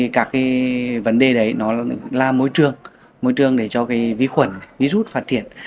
các vấn đề đó làm môi trường môi trường để cho ví khuẩn ví rút phát triển